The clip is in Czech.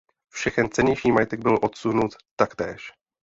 Všechen cennější majetek byl odsunut taktéž.